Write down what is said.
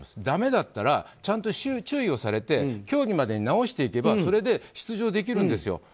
だめだったら注意をされて競技までに直していけばそれで出場できるんですよ。